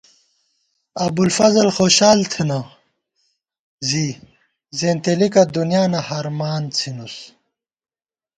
ابُوالفضل خوشال تھنہ زی زېنتېلِکہ دُنیانہ ہرمان څھِنُس